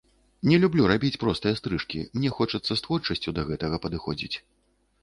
Не люблю рабіць простыя стрыжкі, мне хочацца з творчасцю да гэтага падыходзіць.